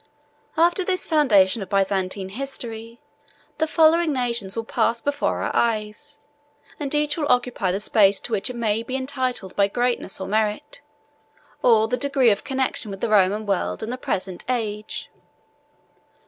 After this foundation of Byzantine history, the following nations will pass before our eyes, and each will occupy the space to which it may be entitled by greatness or merit, or the degree of connection with the Roman world and the present age.